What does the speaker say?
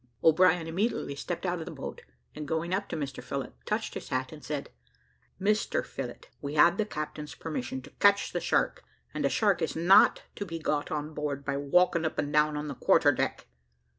O'Brien immediately stepped out of the boat, and, going up to Mr Phillott, touched his hat, and said, "Mr Phillott, we had the captain's permission to catch the shark and a shark is not to be got on board by walking up and down on the quarter deck.